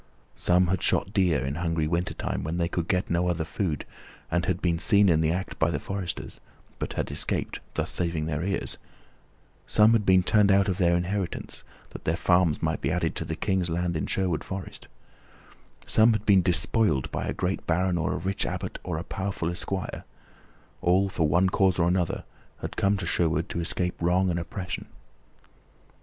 Some had shot deer in hungry wintertime, when they could get no other food, and had been seen in the act by the foresters, but had escaped, thus saving their ears; some had been turned out of their inheritance, that their farms might be added to the King's lands in Sherwood Forest; some had been despoiled by a great baron or a rich abbot or a powerful esquire all, for one cause or another, had come to Sherwood to escape wrong and oppression.